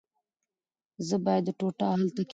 زه باید دا ټوټه هلته کېږدم.